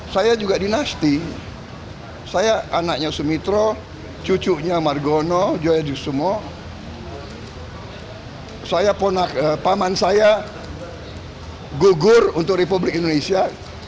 saya juga dinasti saya anaknya sumitro cucunya margono joy disumo paman saya gugur untuk republik indonesia